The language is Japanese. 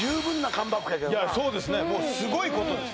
すごいことです